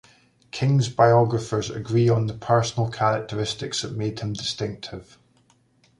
King's biographers agree on the personal characteristics that made him distinctive.